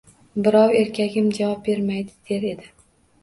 Birov — erkagim javob bermaydi, der edi.